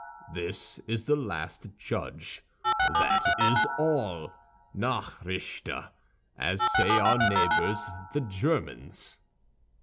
"This is the last judge; that is all. Nachrichter, as say our neighbors, the Germans."